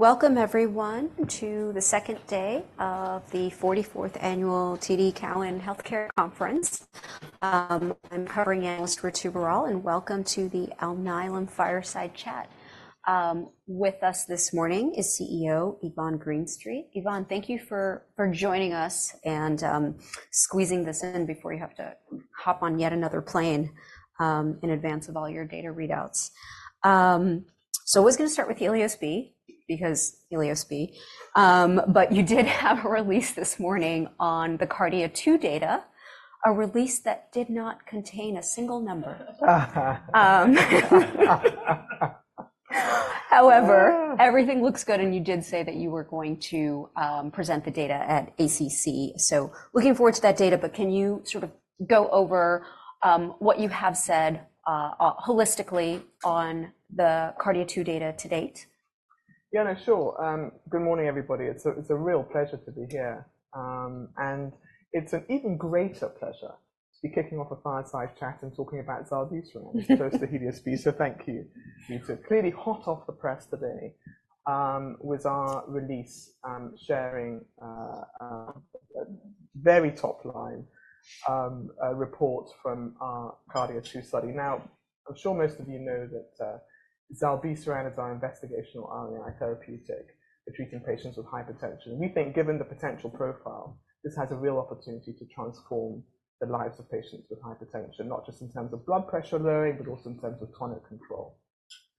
Welcome everyone, to the second day of the 44th Annual TD Cowen Healthcare Conference. I'm covering Cowen analyst Ritu Baral, and welcome to the Alnylam Fireside Chat. With us this morning is CEO Yvonne Greenstreet. Yvonne, thank you for, for joining us and, squeezing this in before you have to hop on yet another plane, in advance of all your data readouts. So I was gonna start with HELIOS-B, because HELIOS-B. But you did have a release this morning on the KARDIA-2 data, a release that did not contain a single number. However, everything looks good, and you did say that you were going to, present the data at ACC. So looking forward to that data, but can you sort of go over, what you have said, holistically on the KARDIA-2 data to date? Yeah, no, sure. Good morning, everybody. It's a real pleasure to be here. And it's an even greater pleasure to be kicking off a fireside chat and talking about zilebesiran—which goes to HELIOS-B, so thank you. Clearly, hot off the press today, with our release, sharing very top line a report from our KARDIA-2 study. Now, I'm sure most of you know that, zilebesiran is our investigational RNA therapeutic for treating patients with hypertension. We think, given the potential profile, this has a real opportunity to transform the lives of patients with hypertension, not just in terms of blood pressure lowering, but also in terms of tonic control.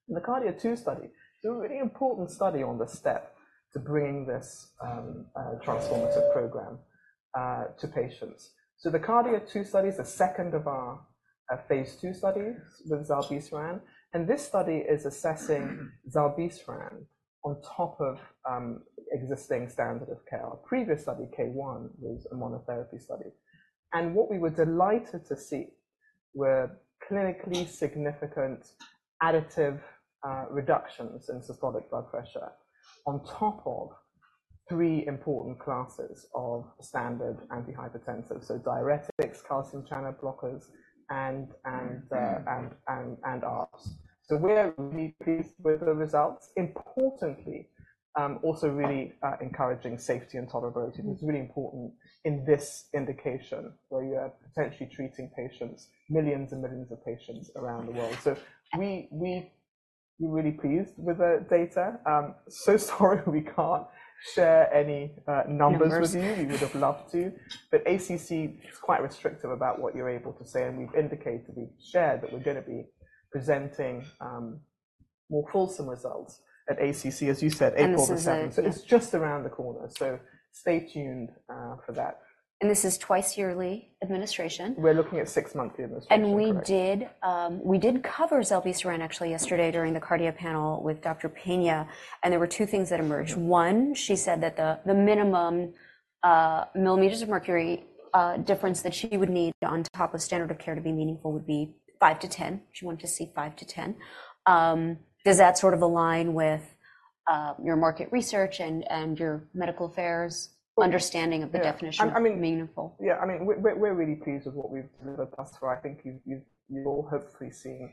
The KARDIA-2 study is a really important study on the step to bringing this, transformative program, to patients. So the KARDIA-2 study is the second of our phase II studies with zilebesiran, and this study is assessing zilebesiran on top of existing standard of care. Our previous study, KARDIA-1, was a monotherapy study, and what we were delighted to see were clinically significant additive reductions in systolic blood pressure, on top of three important classes of standard antihypertensives, so diuretics, calcium channel blockers, and ARBs. So we're really pleased with the results. Importantly, also really encouraging safety and tolerability. It's really important in this indication, where you are potentially treating patients, millions and millions of patients around the world. So we're really pleased with the data. So sorry we can't share any numbers with you- numbers. We would have loved to, but ACC is quite restrictive about what you're able to say, and we've indicated, we've shared that we're gonna be presenting more fulsome results at ACC, as you said, April the seventh. This is a But it's just around the corner, so stay tuned, for that. This is twice yearly administration? We're looking at six-monthly administration. We did cover zilebesiran, actually, yesterday during the KARDIA panel with Dr. Piña, and there were two things that emerged. Mm-hmm. One, she said that the minimum millimeters of mercury difference that she would need on top of standard of care to be meaningful would be five-10. She wanted to see five-10. Does that sort of align with your market research and your medical affairs. Yeah Understanding of the definition of meaningful? I mean, yeah, I mean, we're really pleased with what we've delivered thus far. I think you all have pre-seen,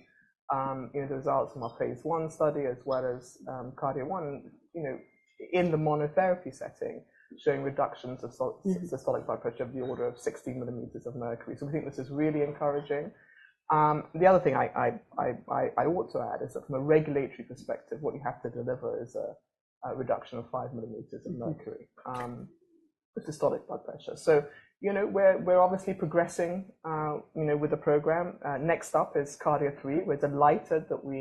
you know, the results from our phase one study, as well as KARDIA-1, you know, in the monotherapy setting, showing reductions of sol. Mm-hmm Systolic blood pressure of the order of 60 millimeters of mercury. So I think this is really encouraging. The other thing I want to add is that from a regulatory perspective, what you have to deliver is a reduction of 5 millimeters of mercury. Mm-hmm The systolic blood pressure. So, you know, we're obviously progressing, you know, with the program. Next up is KARDIA-3. We're delighted that we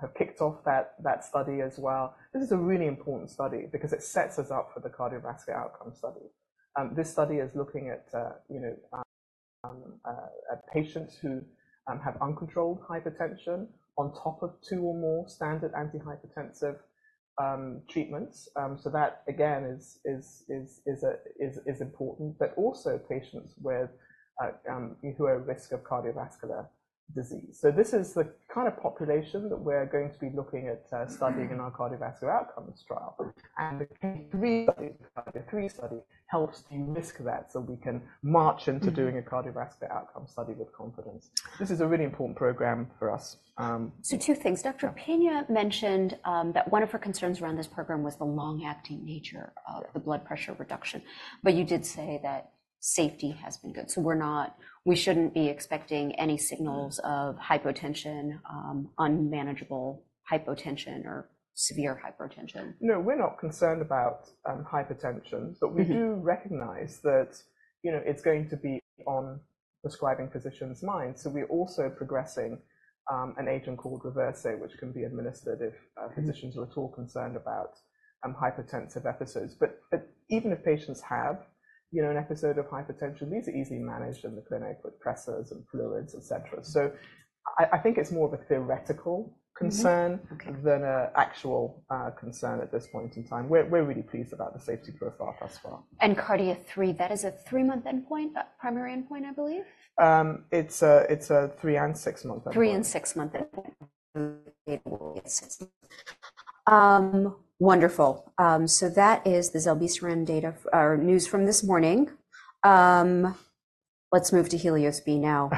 have kicked off that study as well. This is a really important study because it sets us up for the cardiovascular outcome study. This study is looking at, you know, at patients who have uncontrolled hypertension on top of two or more standard antihypertensive treatments. So that, again, is important, but also patients who are at risk of cardiovascular disease. So this is the kind of population that we're going to be looking at, studying. Mm-hmm In our cardiovascular outcomes trial. The three studies, the three study helps de-risk that, so we can march into. Mm-hmm Doing a cardiovascular outcome study with confidence. This is a really important program for us. Two things. Yeah. Dr. Piña mentioned that one of her concerns around this program was the long-acting nature of. Yeah The blood pressure reduction, but you did say that safety has been good. So we're not, we shouldn't be expecting any signals of hypotension, unmanageable hypotension or severe hypotension? No, we're not concerned about hypotension. Mm-hmm But we do recognize that, you know, it's going to be on prescribing physicians' minds. So we're also progressing an agent called Reversir, which can be administered if Mm-hmm... physicians are at all concerned about hypotensive episodes. But even if patients have, you know, an episode of hypotension, these are easily managed in the clinic with pressors and fluids, et cetera. So I think it's more of a theoretical concern. Mm-hmm. Okay. Than an actual concern at this point in time. We're really pleased about the safety profile thus far. KARDIA-3, that is a three-month endpoint, primary endpoint, I believe? It's a three- and six-month endpoint. Three- and six-month endpoint. Wonderful. So that is the zilebesiran data, or news from this morning. Let's move to HELIOS-B now.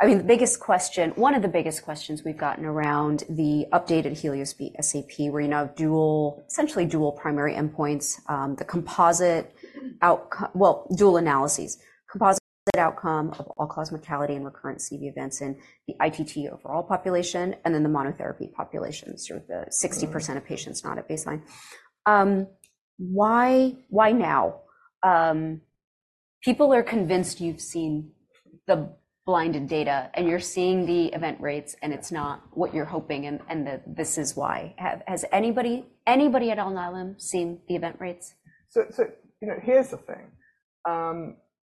I mean, the biggest question, one of the biggest questions we've gotten around the updated HELIOS-B SAP, where you now have dual, essentially dual primary endpoints, well, dual analyses. Composite outcome of all-cause mortality and recurrent CV events in the ITT overall population, and then the monotherapy populations, or the 60% of patients not at baseline. Why, why now? People are convinced you've seen the blinded data, and you're seeing the event rates, and it's not what you're hoping, and, and that this is why. Has anybody, anybody at all, Alnylam, seen the event rates? So, you know, here's the thing.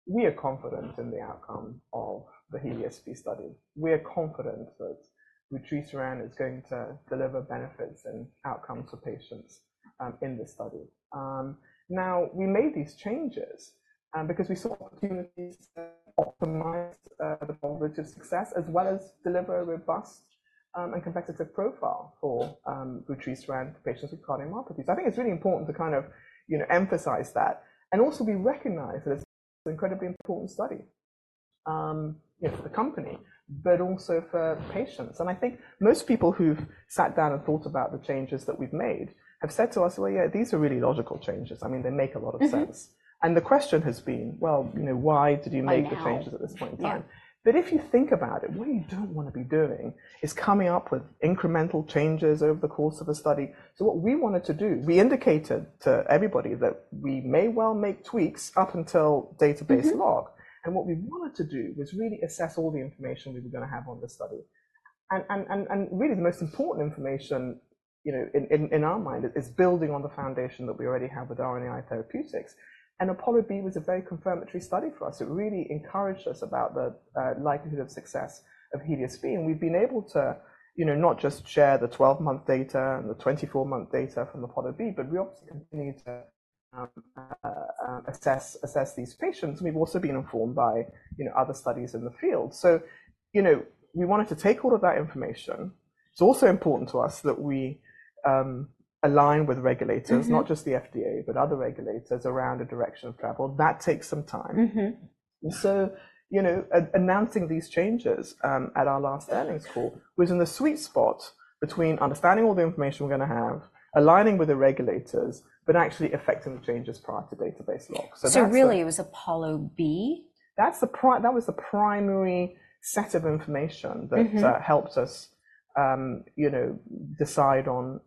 We are confident in the outcome of the HELIOS-B study. We are confident that vutrisiran is going to deliver benefits and outcomes for patients, in this study. Now, we made these changes, because we saw opportunities to optimize, the probability of success, as well as deliver a robust, and competitive profile for, vutrisiran in patients with cardiomyopathy. So I think it's really important to kind of, you know, emphasize that, and also we recognize that it's an incredibly important study, you know, for the company, but also for patients. And I think most people who've sat down and thought about the changes that we've made have said to us, "Well, yeah, these are really logical changes. I mean, they make a lot of sense. Mm-hmm. The question has been: "Well, you know, why did you make the changes. Why now? At this point in time? Yeah. If you think about it, what you don't wanna be doing is coming up with incremental changes over the course of a study. What we wanted to do, we indicated to everybody that we may well make tweaks up until database lock. Mm-hmm. And what we wanted to do was really assess all the information we were gonna have on the study. And really the most important information, you know, in our mind, is building on the foundation that we already have with RNAi therapeutics. And APOLLO-B was a very confirmatory study for us. It really encouraged us about the likelihood of success of HELIOS-B. And we've been able to, you know, not just share the 12-month data and the 24-month data from APOLLO-B, but we're obviously continuing to assess these patients. We've also been informed by, you know, other studies in the field. So, you know, we wanted to take all of that information. It's also important to us that we align with regulators. Mm-hmm Not just the FDA, but other regulators, around the direction of travel. That takes some time. Mm-hmm. So, you know, announcing these changes at our last earnings call was in the sweet spot between understanding all the information we're gonna have, aligning with the regulators, but actually effecting the changes prior to database lock, so that. So really, it was APOLLO-B? That was the primary set of information that- Mm-hmm Helped us, you know, decide on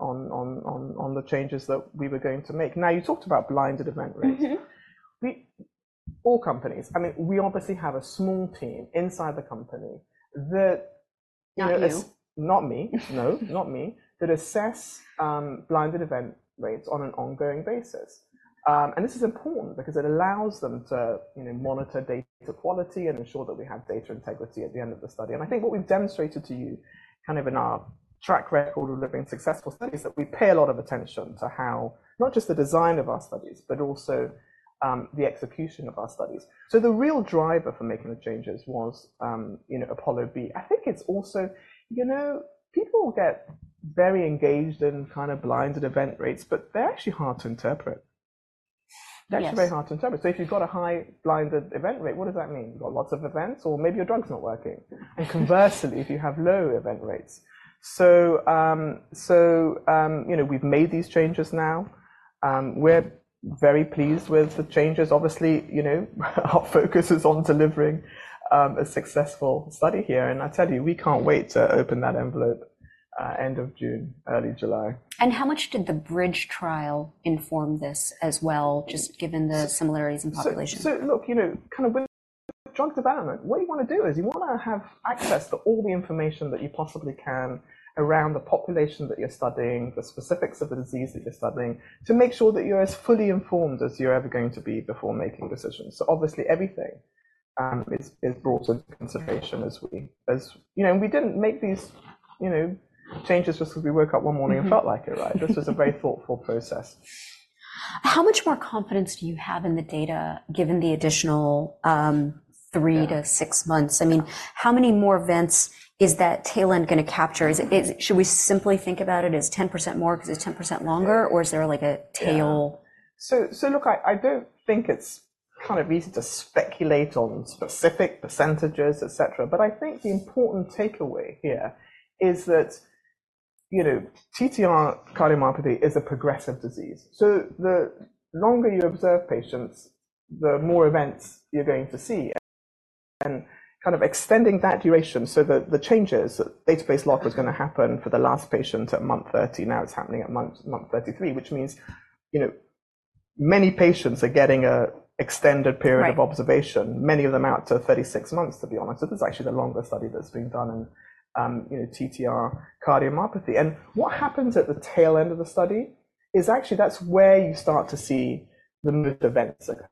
the changes that we were going to make. Now, you talked about blinded event rates. Mm-hmm. All companies, I mean, we obviously have a small team inside the company that, Not you. Not me. No, not me, that assess blinded event rates on an ongoing basis. This is important because it allows them to, you know, monitor data quality and ensure that we have data integrity at the end of the study. I think what we've demonstrated to you, kind of in our track record of delivering successful studies, is that we pay a lot of attention to how, not just the design of our studies, but also the execution of our studies. The real driver for making the changes was, you know, APOLLO-B. I think it's also, you know, people get very engaged in kind of blinded event rates, but they're actually hard to interpret. Yes. They're actually very hard to interpret. So if you've got a high blinded event rate, what does that mean? You've got lots of events, or maybe your drug's not working. And conversely, if you have low event rates. So, you know, we've made these changes now. We're very pleased with the changes. Obviously, you know, our focus is on delivering a successful study here. And I tell you, we can't wait to open that envelope end of June, early July. How much did the BRIDGE trial inform this as well, just given the similarities in population? So, look, you know, kind of with drug development, what you wanna do is you wanna have access to all the information that you possibly can around the population that you're studying, the specifics of the disease that you're studying, to make sure that you're as fully informed as you're ever going to be before making decisions. So obviously, everything is brought into consideration as... You know, and we didn't make these, you know, changes just 'cause we woke up one morning and felt like it, right? Mm-hmm. This was a very thoughtful process. How much more confidence do you have in the data, given the additional three-six months? I mean, how many more events is that tail end gonna capture? Is it? Should we simply think about it as 10% more because it's 10% longer? Yeah. Or is there, like, a tail? Yeah. So look, I don't think it's kind of easy to speculate on specific percentages, et cetera. But I think the important takeaway here is that, you know, TTR cardiomyopathy is a progressive disease, so the longer you observe patients, the more events you're going to see. And kind of extending that duration, so the changes, database lock was gonna happen for the last patient at month 30, now it's happening at month 33. Which means, you know, many patients are getting a extended period of observation. Right. Many of them out to 36 months, to be honest. This is actually the longest study that's been done in, you know, TTR cardiomyopathy. What happens at the tail end of the study is actually that's where you start to see the most events occur,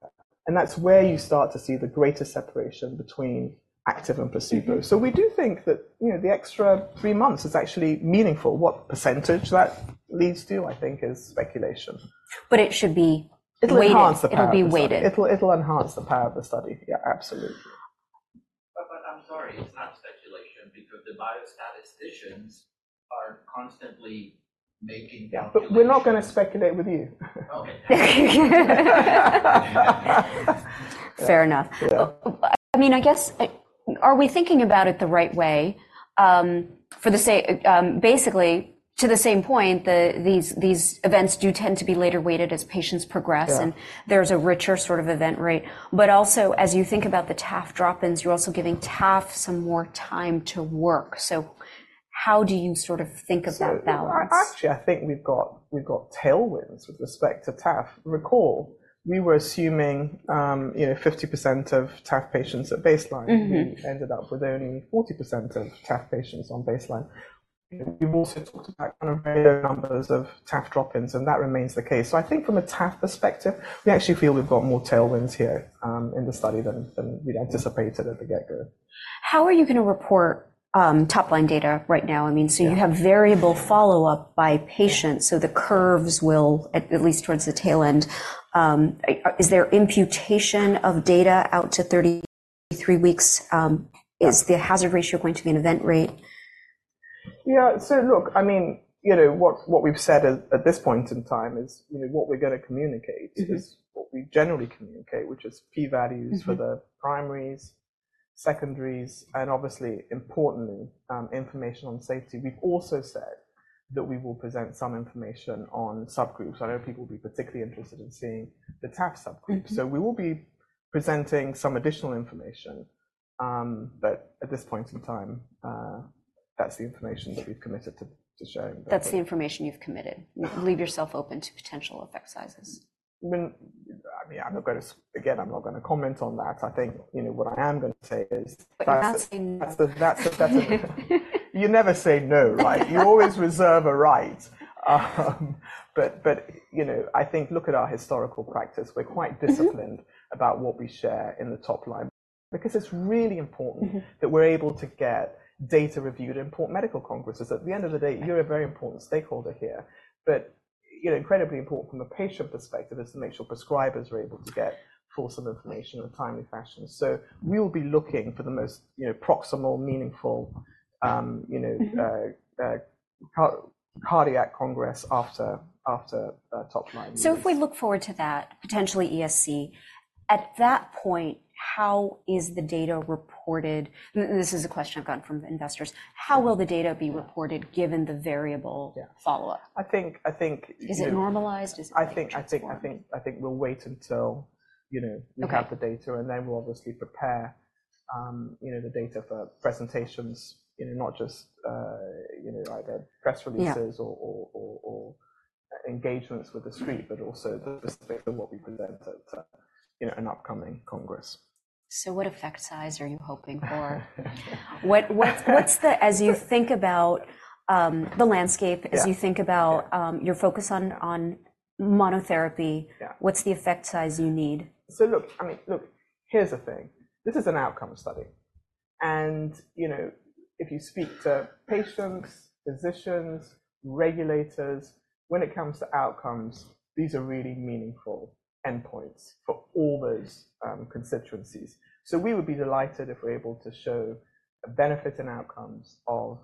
and that's where you start to see the greatest separation between active and placebo. Mm-hmm. We do think that, you know, the extra three months is actually meaningful. What percentage that leads to, I think, is speculation. But it should be weighted. It'll enhance the power of the study. It'll be weighted. It'll enhance the power of the study. Yeah, absolutely. I'm sorry, it's not speculation because the biostatisticians are constantly making calculations. But we're not gonna speculate with you. Okay. Fair enough. Yeah. I mean, I guess, are we thinking about it the right way? For the sake, basically, to the same point, these events do tend to be later weighted as patients progress. Yeah. And there's a richer sort of event rate. But also, as you think about the TAF drop-ins, you're also giving TAF some more time to work. So how do you sort of think of that balance? So actually, I think we've got, we've got tailwinds with respect to TAF. Recall, we were assuming, you know, 50% of TAF patients at baseline. Mm-hmm. We ended up with only 40% of TAF patients on baseline. We've also talked about kind of numbers of TAF drop-ins, and that remains the case. So I think from a TAF perspective, we actually feel we've got more tailwinds here, in the study than, than we'd anticipated at the get-go. How are you gonna report top-line data right now? I mean. Yeah. So you have variable follow-up by patients, so the curves will, at least towards the tail end, is there imputation of data out to 33 weeks? Is the hazard ratio going to be an event rate? Yeah. So look, I mean, you know, what we've said at this point in time is, you know, what we're gonna communicate. Mm-hmm Is what we generally communicate, which is P values. Mm-hmm For the primaries, secondaries, and obviously, importantly, information on safety. We've also said that we will present some information on subgroups. I know people will be particularly interested in seeing the TAF subgroups. Mm-hmm. We will be presenting some additional information, but at this point in time, that's the information that we've committed to showing. That's the information you've committed. Mm-hmm. Leave yourself open to potential effect sizes. I mean, I'm not gonna... Again, I'm not gonna comment on that. I think, you know, what I am gonna say is. But you're not saying no. That's the better. You never say no, right? You always reserve a right. But, you know, I think look at our historical practice. We're quite disciplined. Mm-hmm about what we share in the top line, because it's really important- Mm-hmm That we're able to get data reviewed in important medical congresses. At the end of the day, you're a very important stakeholder here. But, you know, incredibly important from a patient perspective is to make sure prescribers are able to get full information in a timely fashion. So we will be looking for the most, you know, proximal, meaningful, you know. Mm-hmm cardiac congress after top line. So if we look forward to that, potentially ESC. At that point, how is the data reported? And this is a question I've gotten from investors: How will the data be reported, given the variable. Yeah. Follow-up? I think. Is it normalized? Is it. I think we'll wait until, you know. Okay. We have the data, and then we'll obviously prepare, you know, the data for presentations, you know, not just, you know, either press releases. Yeah. Engagements with the street, but also to consider what we present at, you know, an upcoming congress. So what effect size are you hoping for? As you think about the landscape. Yeah As you think about your focus on monotherapy. Yeah What's the effect size you need? So look, I mean, look, here's the thing. This is an outcome study, and, you know, if you speak to patients, physicians, regulators, when it comes to outcomes, these are really meaningful endpoints for all those, constituencies. So we would be delighted if we're able to show a benefit in outcomes of,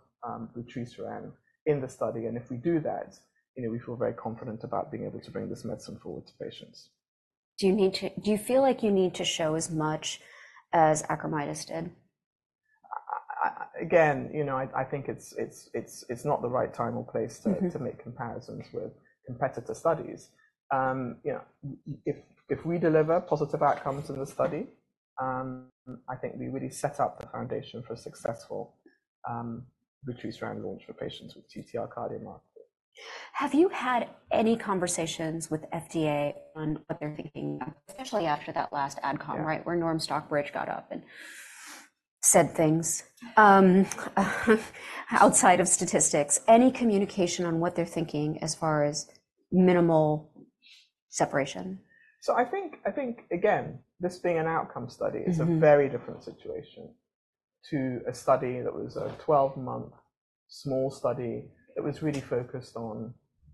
vutrisiran in the study. And if we do that, you know, we feel very confident about being able to bring this medicine forward to patients. Do you feel like you need to show as much as Acoramidis did? Again, you know, I think it's not the right time or place to. Mm-hmm To make comparisons with competitor studies. You know, if we deliver positive outcomes in the study, I think we really set up the foundation for a successful vutrisiran launch for patients with ATTR cardiomyopathy. Have you had any conversations with FDA on what they're thinking, especially after that last AdCom? Yeah. Right, where Norm Stockbridge got up and said things? Outside of statistics, any communication on what they're thinking as far as minimal separation? I think, again, this being an outcome study. Mm-hmm Is a very different situation to a study that was a 12-month small study that was really focused on,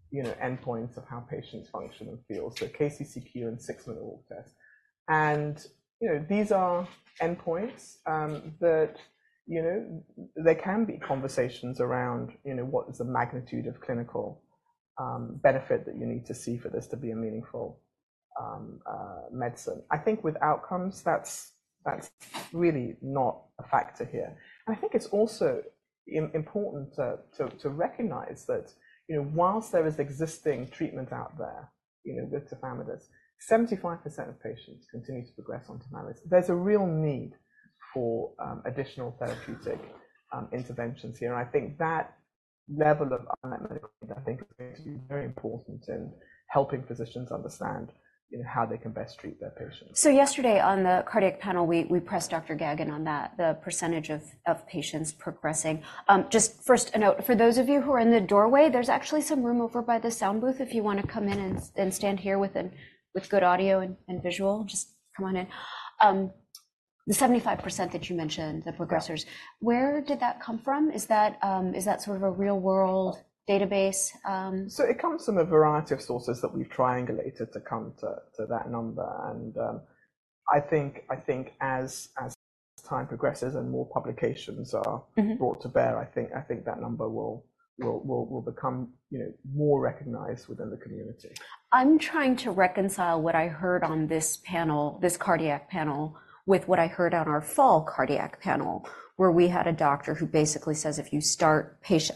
you know, endpoints of how patients function and feel, so KCCQ and 6-minute walk test. And, you know, these are endpoints that, you know, there can be conversations around, you know, what is the magnitude of clinical benefit that you need to see for this to be a meaningful medicine. I think with outcomes, that's really not a factor here. And I think it's also important to recognize that, you know, while there is existing treatment out there, you know, with C, 75% of patients continue to progress on tafamidis. There's a real need for additional therapeutic interventions here. I think that level of unmet medical need, I think is going to be very important in helping physicians understand, you know, how they can best treat their patients. So yesterday, on the cardiac panel, we pressed Dr. Grogan on that, the percentage of patients progressing. Just first a note, for those of you who are in the doorway, there's actually some room over by the sound booth if you wanna come in and stand here with good audio and visual. Just come on in. The 75% that you mentioned, the progressors. Yeah. Where did that come from? Is that, is that sort of a real-world database? So it comes from a variety of sources that we've triangulated to come to that number. And I think as time progresses and more publications are. Mm-hmm Brought to bear, I think that number will become, you know, more recognized within the community. I'm trying to reconcile what I heard on this panel, this cardiac panel, with what I heard on our fall cardiac panel, where we had a doctor who basically says,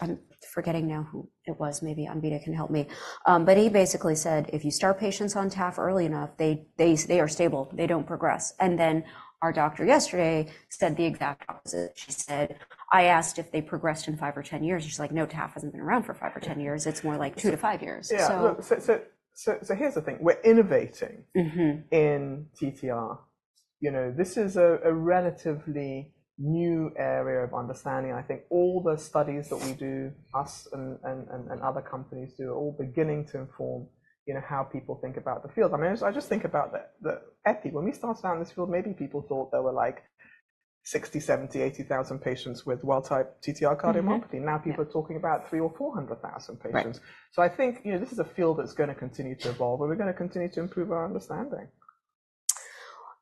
I'm forgetting now who it was. Maybe Amrita can help me. But he basically said, if you start patients on TAF early enough, they, they, they are stable, they don't progress. And then, our doctor yesterday said the exact opposite. She said, I asked if they progressed in five or 10 years, she's like, "No, TAF hasn't been around for five or 10 years. It's more like two to five years." So. Yeah. Look, so here's the thing. We're innovating. Mm-hmm In TTR. You know, this is a relatively new area of understanding. I think all the studies that we do, us and other companies do, are all beginning to inform, you know, how people think about the field. I mean, I just think about the epidemiology. When we started out in this field, maybe people thought there were like 60,000, 70,000, 80,000 patients with wild type TTR cardiomyopathy. Mm-hmm. Now, people are talking about 300,000 or 400,000 patients. Right. I think, you know, this is a field that's gonna continue to evolve, and we're gonna continue to improve our understanding.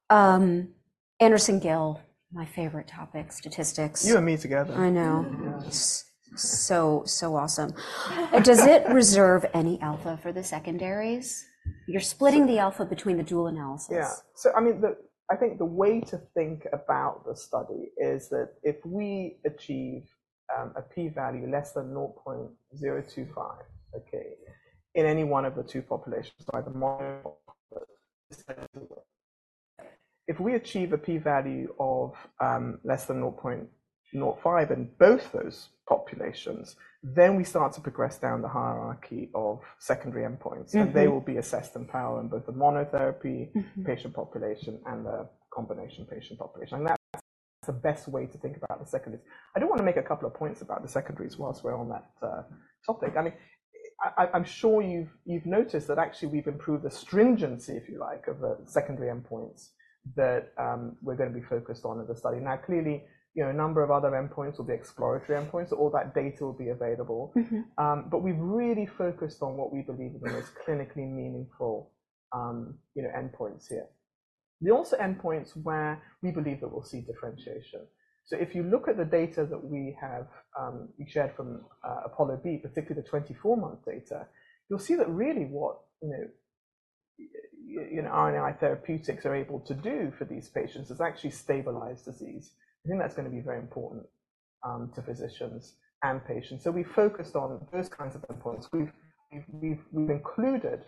Andersen-Gill, my favorite topic, statistics. You and me together. I know. Yes. So, so awesome. Does it reserve any alpha for the secondaries? You're splitting the alpha between the dual analysis. Yeah. So I mean, I think the way to think about the study is that if we achieve a p-value less than 0.025, okay, in any one of the two populations. If we achieve a p-value of less than 0.05 in both those populations, then we start to progress down the hierarchy of secondary endpoints. Mm-hmm. They will be assessed in power in both the monotherapy. Mm-hmm Patient population and the combination patient population, and that's the best way to think about the secondaries. I do wanna make a couple of points about the secondaries whilst we're on that topic. I mean, I'm sure you've noticed that actually we've improved the stringency, if you like, of the secondary endpoints that we're gonna be focused on in the study. Now, clearly, you know, a number of other endpoints will be exploratory endpoints. All that data will be available. Mm-hmm. But we've really focused on what we believe are the most clinically meaningful, you know, endpoints here. They're also endpoints where we believe that we'll see differentiation. So if you look at the data that we have, we've shared from APOLLO-B, particularly the 24-month data, you'll see that really what, you know, RNA therapeutics are able to do for these patients is actually stabilize disease. I think that's gonna be very important to physicians and patients, so we focused on those kinds of endpoints. We've included,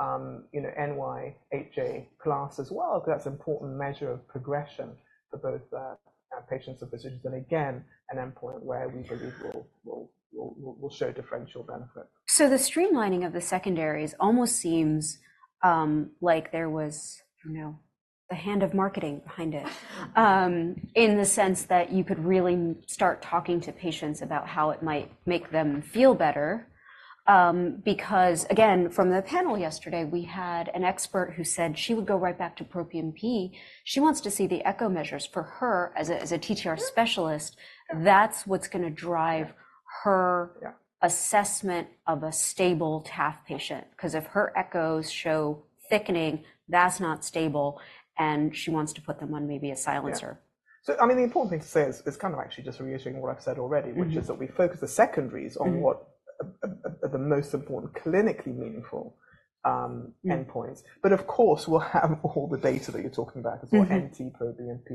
you know, NYHA class as well, because that's an important measure of progression for both our patients and physicians. And again, an endpoint where we believe we'll show differential benefit. So the streamlining of the secondaries almost seems like there was, you know, the hand of marketing behind it. In the sense that you could really start talking to patients about how it might make them feel better. Because, again, from the panel yesterday, we had an expert who said she would go right back to proBNP. She wants to see the echo measures. For her, as a TTR specialis. Yeah That's what's gonna drive her. Yeah Assessment of a stable TAF patient. 'Cause if her echoes show thickening, that's not stable, and she wants to put them on maybe a silencer. Yeah. So, I mean, the important thing to say is kind of actually just reusing what I've said already. Mm-hmm Which is that we focus the secondaries. Mm-hmm On what are the most important, clinically meaningful. Mm Endpoints. But of course, we'll have all the data that you're talking about. Mm-hmm As well, NT-proBNP,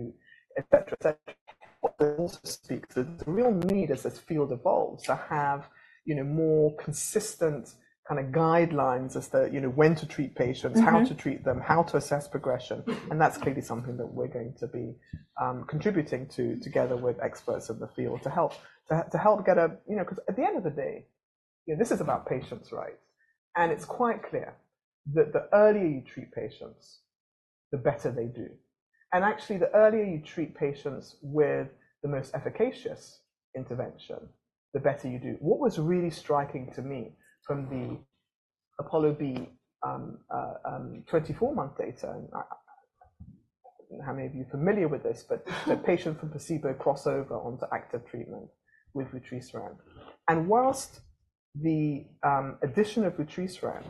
et cetera, et cetera. Also speak to the real need as this field evolves to have, you know, more consistent kind of guidelines as to, you know, when to treat patients. Mm-hmm How to treat them, how to assess progression. And that's clearly something that we're going to be contributing to, together with experts in the field, to help, to help get a... You know, 'cause at the end of the day, you know, this is about patients, right? And it's quite clear that the earlier you treat patients, the better they do. And actually, the earlier you treat patients with the most efficacious intervention, the better you do. What was really striking to me from the APOLLO-B, 24-month data, and I don't know how many of you are familiar with this, but the patient from placebo crossover onto active treatment with vutrisiran. And while the addition of vutrisiran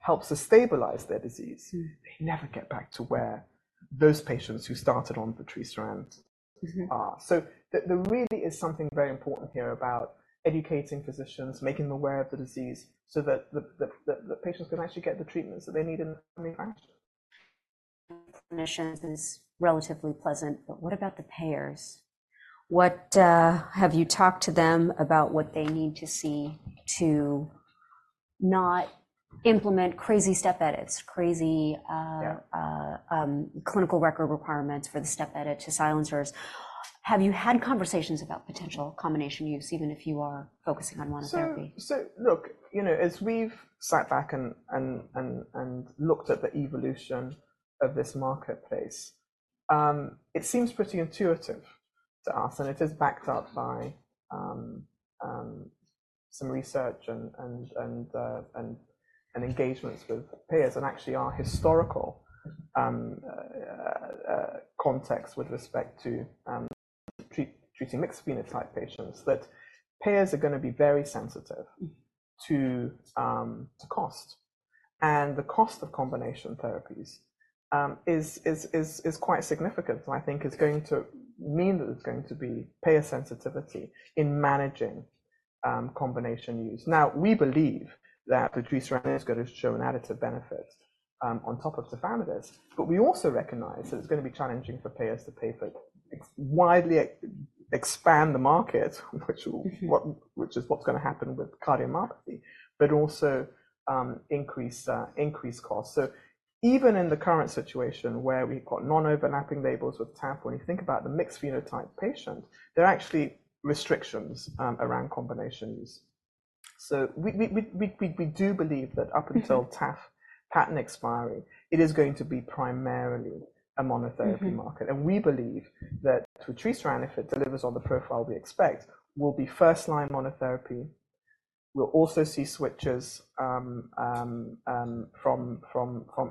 helps to stabilize their disease. Mm -they never get back to where those patients who started on vutrisiran. Mm-hmm Are, So there really is something very important here about educating physicians, making them aware of the disease, so that the patients can actually get the treatments that they need in the first place. Clinicians is relatively pleasant, but what about the payers? What have you talked to them about what they need to see to not implement crazy step edits, crazy. Yeah. Clinical record requirements for the step edit to silencers? Have you had conversations about potential combination use, even if you are focusing on monotherapy? So look, you know, as we've sat back and looked at the evolution of this marketplace, it seems pretty intuitive to us, and it is backed up by some research and engagements with payers, and actually our historical context with respect to treating mixed phenotype patients, that payers are gonna be very sensitive. Mm-hmm. To to cost. And the cost of combination therapies is quite significant, and I think it's going to mean that it's going to be payer sensitivity in managing combination use. Now, we believe that the vutrisiran is gonna show an additive benefit on top of tafamidis. But we also recognize that it's gonna be challenging for payers to pay for widely expand the market, which. Mm-hmm. Which is what's gonna happen with cardiomyopathy, but also increase, increase costs. So even in the current situation where we've got non-overlapping labels with TAF, when you think about the mixed phenotype patient, there are actually restrictions around combination use. So we do believe that up- Mm-hmm Until TAF patent expiry, it is going to be primarily a monotherapy. Mm-hmm Market. We believe that zilebesiran, if it delivers on the profile we expect, will be first-line monotherapy. We'll also see switches from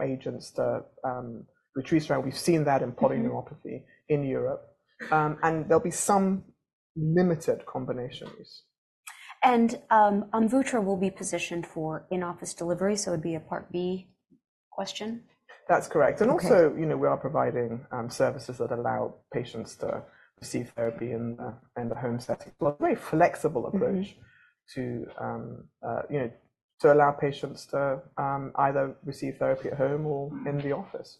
agents to zilebesiran. We've seen that in polyneuropathy. Mm-hmm In Europe. And there'll be some limited combinations. Amvuttra will be positioned for in-office delivery, so it would be a Part B question? That's correct. Okay. Also, you know, we are providing services that allow patients to receive therapy in the home setting. Well, a very flexible approach. Mm-hmm To, you know, to allow patients to either receive therapy at home or in the office.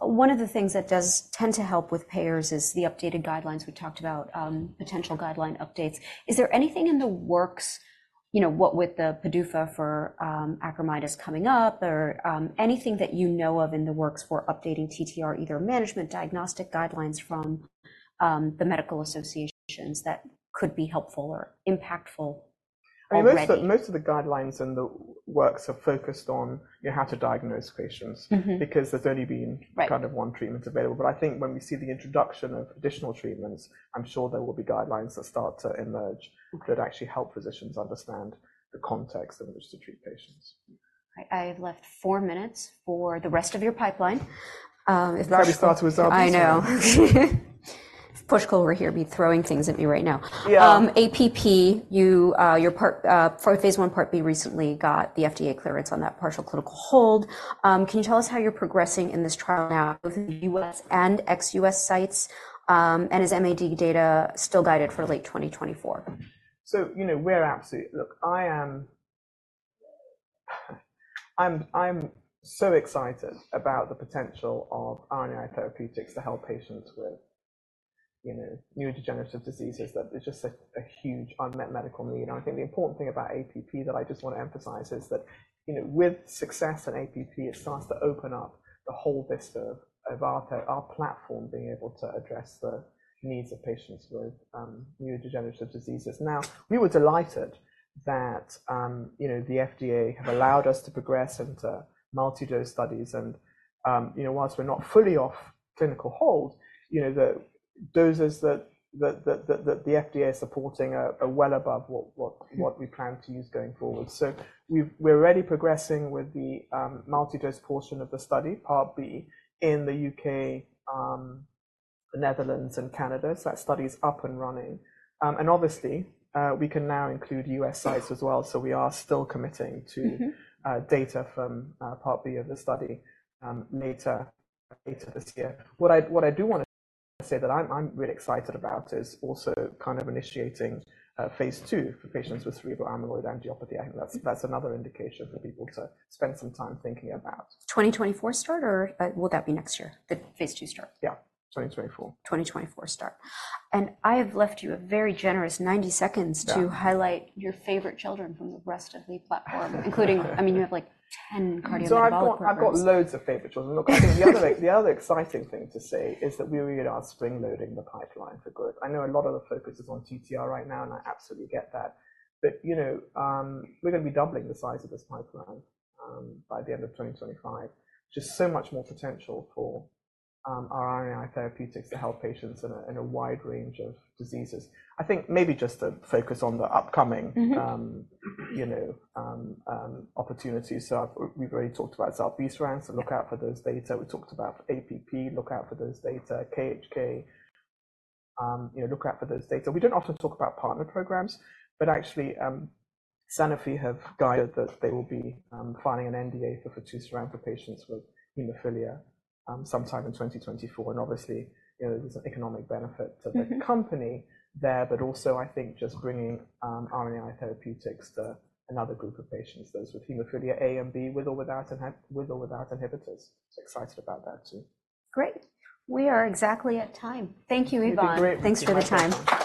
One of the things that does tend to help with payers is the updated guidelines. We talked about potential guideline updates. Is there anything in the works, you know, what with the PDUFA for acoramidis coming up or anything that you know of in the works for updating TTR, either management, diagnostic guidelines from the medical associations that could be helpful or impactful already? Well, most of the guidelines and the works are focused on, you know, how to diagnose patients. Mm-hmm Because there's only been. Right Kind of one treatment available. But I think when we see the introduction of additional treatments, I'm sure there will be guidelines that start to emerge. Mm-hmm That actually help physicians understand the context in which to treat patients. I have left four minutes for the rest of your pipeline. If. Shall we start with Alzheimer's? I know. Pushkal over here will be throwing things at me right now. Yeah. ALN-APP, your part for phase I Part B recently got the FDA clearance on that partial clinical hold. Can you tell us how you're progressing in this trial now with U.S. and ex-U.S. sites, and is MAD data still guided for late 2024? So, you know, we're absolutely... Look, I'm so excited about the potential of RNA therapeutics to help patients with, you know, neurodegenerative diseases, that there's just a huge unmet medical need. And I think the important thing about APP that I just wanna emphasize is that, you know, with success in APP, it starts to open up the whole vista of RNAi, our platform, being able to address the needs of patients with neurodegenerative diseases. Now, we were delighted that, you know, the FDA have allowed us to progress into multi-dose studies and, you know, while we're not fully off clinical hold, you know, the doses that the FDA is supporting are well above what we plan to use going forward. So we're already progressing with the multi-dose portion of the study, Part B, in the U.K., the Netherlands and Canada. That study is up and running. Obviously, we can now include U.S. sites as well, so we are still committing to. Mm-hmm Data from Part B of the study later this year. What I do wanna say that I'm really excited about is also kind of initiating phase II for patients with Cerebral Amyloid Angiopathy. I think that's another indication for people to spend some time thinking about. 2024 start or, will that be next year, the phase II start? Yeah, 2024. 2024 start. And I have left you a very generous 90 seconds.- Yeah To highlight your favorite children from the rest of the platform, including—I mean, you have, like, 10 cardiovascular programs. So I've got, I've got loads of favorite children. Look, I think the other, the other exciting thing to say is that we really are spring-loading the pipeline for good. I know a lot of the focus is on TTR right now, and I absolutely get that. But, you know, we're gonna be doubling the size of this pipeline, by the end of 2025. Just so much more potential for, RNAi therapeutics to help patients in a, in a wide range of diseases. I think maybe just to focus on the upcoming. Mm-hmm... you know, opportunities. So we've already talked about zilebesiran, so look out for those data. We talked about APP, look out for those data. KHK, you know, look out for those data. We don't often talk about partner programs, but actually, Sanofi have guided that they will be filing an NDA for fitusiran for patients with hemophilia sometime in 2024. And obviously, you know, there's an economic benefit. Mm-hmm To the company there, but also I think just bringing RNAi therapeutics to another group of patients, those with hemophilia A and B, with or without inhibitors. So excited about that too. Great! We are exactly at time. Thank you, Yvonne. You've been great. Thanks for the time.